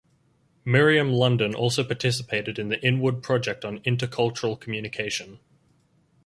Miriam London also participated in the Inwood Project on Intercultural Communication.